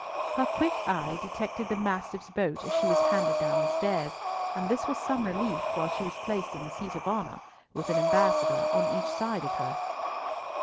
Her quick eye detected the Mastiff's boat as she was handed down the stairs, and this was some relief, while she was placed in the seat of honour, with an ambassador on each side of her.